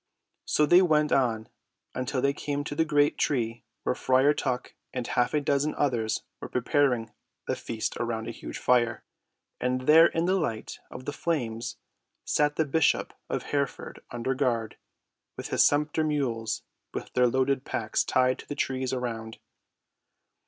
So they went on until they came to the great tree where Friar Tuck and half a dozen others were preparing the feast around a huge fire. And there in the light of the flames sat the bishop of Hereford under guard, with his sumpter mules with their loaded packs tied to the trees around.